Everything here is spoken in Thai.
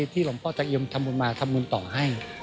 ที่หลังพ่อจักรยมทำบุญมาทำบุญต่อให้